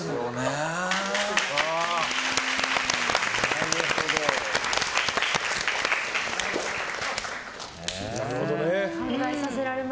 なるほどね。